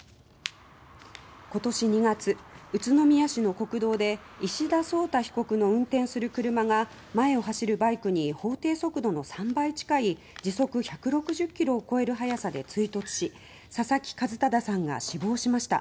今年２月宇都宮市の国道で石田颯汰被告の運転する車が前を走るバイクに法定速度の３倍近い時速１６０ｋｍを超える速さで追突し佐々木一匡さんが死亡しました。